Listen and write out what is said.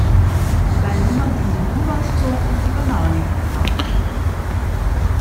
Weil niemand in den Urwald zog und die Banane gerade bog.